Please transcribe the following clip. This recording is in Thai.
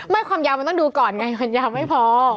ความยาวมันต้องดูก่อนไงมันยาวไม่พอ